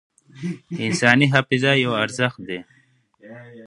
انساني حافظه یو ارزښت دی.